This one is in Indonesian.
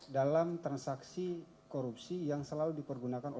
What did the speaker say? dalam transaksi korupsi yang selalu dipergunakan